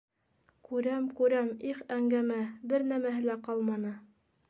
— Күрәм, күрәм, их әңгәмә, бер нәмәһе лә ҡалманы!